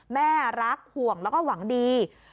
แม่รักห่วงแล้วก็หวังดี